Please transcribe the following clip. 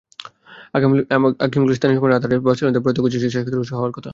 আগামীকাল স্থানীয় সময় রাত আটটায় বার্সেলোনাতেই প্রয়াত কোচের শেষকৃত্যানুষ্ঠান হওয়ার কথা।